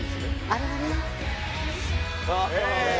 あれはね